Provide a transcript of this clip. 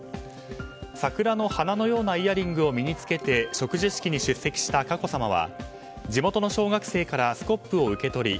桜の花のようなイヤリングを身に着けて植樹式に出席した佳子さまは地元の小学生からスコップを受け取り